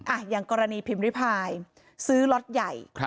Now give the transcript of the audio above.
อย่างกรณีพิมพ์ริพายซื้อล็อตใหญ่